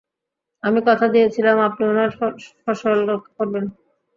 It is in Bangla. আমি কথা দিয়েছিলাম, আপনি উনার ফসল রক্ষা করবেন।